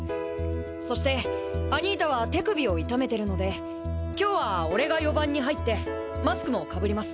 そしてアニータは手首を痛めてるので今日は俺が４番に入ってマスクもかぶります。